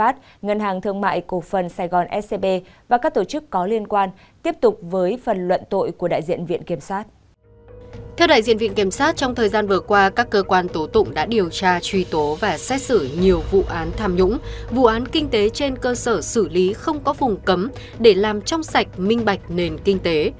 theo đại diện viện kiểm sát trong thời gian vừa qua các cơ quan tổ tụng đã điều tra truy tố và xét xử nhiều vụ án tham nhũng vụ án kinh tế trên cơ sở xử lý không có phùng cấm để làm trong sạch minh bạch nền kinh tế